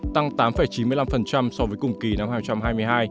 tăng tám chín mươi năm so với cùng kỳ năm hai nghìn hai mươi hai